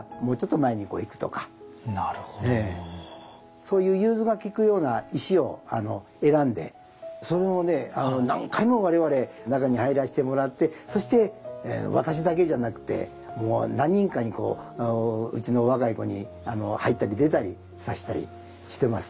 そういう融通がきくような石を選んでそれをね何回も我々中に入らしてもらってそして私だけじゃなくてもう何人かにこううちの若い子に入ったり出たりさしたりしてます。